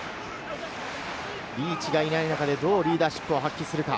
リーチがいない中で、どうリーダーシップを発揮するか？